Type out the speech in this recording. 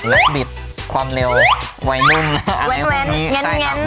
ลักษณ์บิดความเร็ววัยนุ่มอะไรแบบนี้แง้นหน่อย